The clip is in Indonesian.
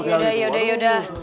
yaudah yaudah yaudah